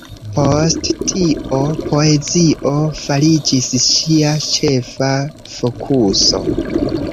Post tio, poezio fariĝis ŝia ĉefa fokuso.